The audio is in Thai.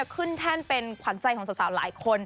แท่นเป็นขวัญใจของสาวหลายคน